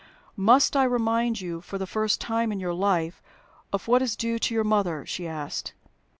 "Must I remind you, for the first time in your life, of what is due to your mother?" she asked.